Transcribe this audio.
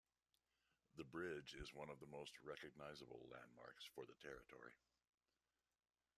The bridge is one of the most recognisable landmarks for the territory.